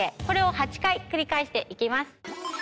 これを８回繰り返していきます。